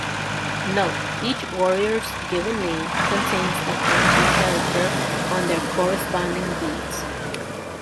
Note: each warrior's "given name" contains the kanji character on their corresponding bead.